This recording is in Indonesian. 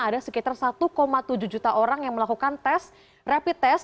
ada sekitar satu tujuh juta orang yang melakukan tes rapid test